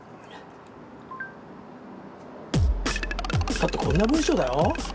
だってこんな文章だよ。